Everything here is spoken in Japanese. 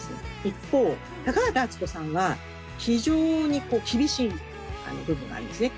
一方、高畑淳子さんは非常に厳しい部分があるんですね